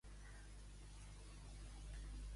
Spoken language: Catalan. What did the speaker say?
Què element aportava protecció?